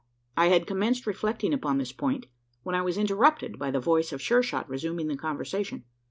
I had commenced reflecting upon this point, when I was interrupted by the voice of Sure shot resuming the conversation.